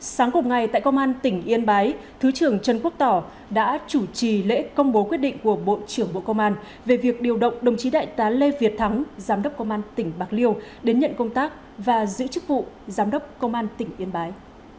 sáng cùng ngày tại công an tỉnh yên bái thứ trưởng trần quốc tỏ đã chủ trì lễ công bố quyết định của bộ trưởng bộ công an về việc điều động đồng chí đại tá lê việt thắng giám đốc công an tỉnh bạc liêu đến nhận công tác và giữ chức vụ giám đốc công an tỉnh yên bái